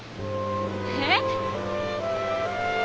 えっ？